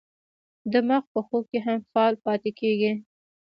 دماغ په خوب کې هم فعال پاتې کېږي.